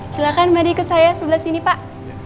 silahkan madi ikut saya sebelah sini pak